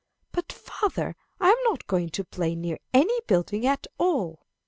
"But, father, I am not going to play near any building at all."